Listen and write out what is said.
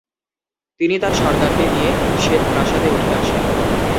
তিনি তার সরকারকে নিয়ে শ্বেত প্রাসাদে উঠে আসেন।